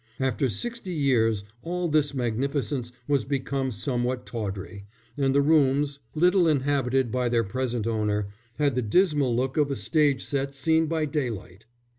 After sixty years all this magnificence was become somewhat tawdry, and the rooms, little inhabited by their present owner, had the dismal look of a stage set seen by daylight.